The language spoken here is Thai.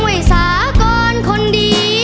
วิโตร่หล่อไหม